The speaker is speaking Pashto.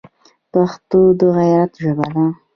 پښتو د غیرت ژبه ده